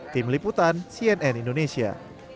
tim liputan cnn indonesia